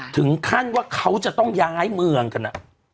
ถึงขั้นว่าเขาจะต้องย้ายเมืองกัน